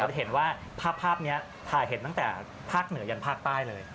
จะเห็นว่าภาพนี้ถ่ายเห็นตั้งแต่ภาคเหนือยันภาคใต้เลย